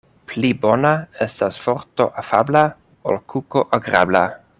Pli bona estas vorto afabla, ol kuko agrabla.